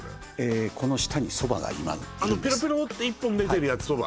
この下にそばが埋まってるんですペロペロって１本出てるやつそば？